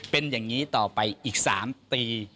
เป็นอย่างนี้ต่อไปอีก๓ปี